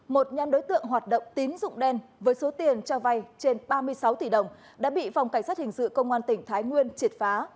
một nhóm đối tượng hoạt động tín dụng đen với số tiền cho vay trên ba mươi sáu tỷ đồng đã bị phòng cảnh sát hình sự công an tỉnh thái nguyên triệt phá